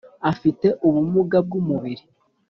Afite ubumuga bw umubiri